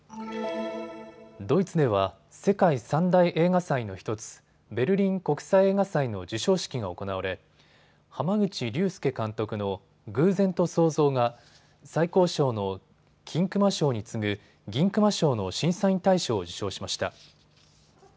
ドイツでは世界３大映画祭の１つ、ベルリン国際映画祭の授賞式が行われ濱口竜介監督の偶然と想像が最高賞の金熊賞に次ぐ銀熊賞の審査員大賞を受賞しました。